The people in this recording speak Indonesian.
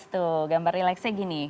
tuh gambar relaxnya gini